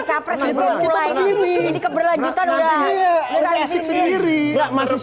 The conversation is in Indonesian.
laku kesana ini karena ini enggak laku